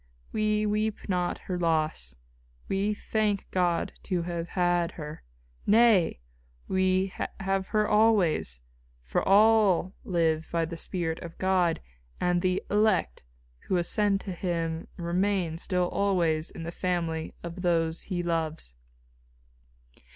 "We weep not her loss; we thank God to have had her. Nay! we have her always, for all live by the spirit of God; and the elect who ascend to Him remain still always in the family of those He loves."